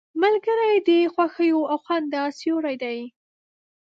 ملګری د خوښیو او خندا سیوری دی